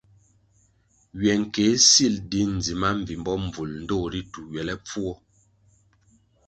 Ywe nkéh sil di ndzima mbvimbo mbvul ndtoh ritu ywelepfuo.